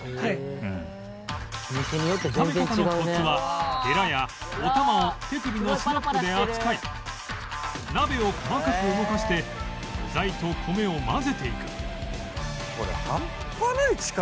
炒め方のコツはヘラやお玉を手首のスナップで扱い鍋を細かく動かして具材と米を混ぜていく